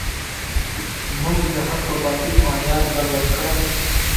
موږ د حق و باطل معیار ګډوډ کړی.